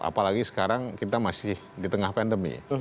apalagi sekarang kita masih di tengah pandemi